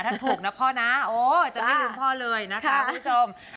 ถ้าถูกนะพ่อนะโอ้จะไม่ลืมพ่อเลยนะคะคุณผู้ชม